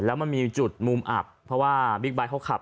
แล้วมันมีจุดมุมอับเพราะว่าบิ๊กไบท์เขาขับ